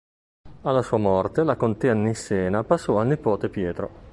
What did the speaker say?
Alla sua morte la contea nissena passò al nipote Pietro.